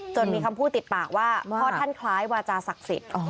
มีคำพูดติดปากว่าพ่อท่านคล้ายวาจาศักดิ์สิทธิ์